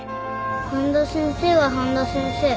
半田先生は半田先生。